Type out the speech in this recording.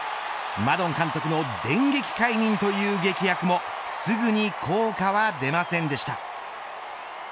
マドン監督の電撃解任という劇薬もすぐに効果は出ませんでした。